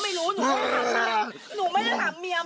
ไม่รู้มันศักดิ์อะไรมา